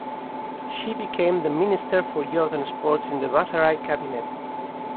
She became the Minister for Youth and Sports in the Bhattarai cabinet.